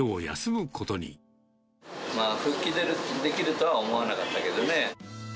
復帰できるとは思わなかったけどね。